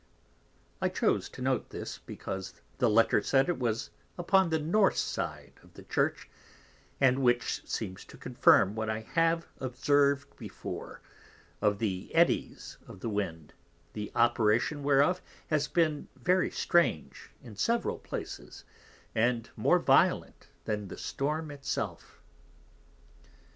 _ _I chose to note this, because the Letter says, it was upon the North side of the Church, and which seems to confirm what I have observ'd before, of the Eddies of the Wind, the Operation whereof has been very strange in several places, and more Violent than the Storm it self.